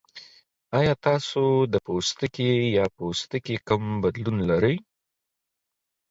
ایا تاسو د پوستکي یا پوستکي کوم بدلون لرئ؟